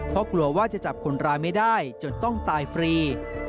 เพราะกลัวว่าจะจับคนร้ายไม่ได้จนต้องตายฟรี